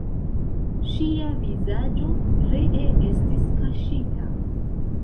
Ŝia vizaĝo ree estis kaŝita.